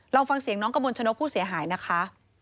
ลองฟังเสียงน้องกระมวลชนกผู้เสียหายนะคะ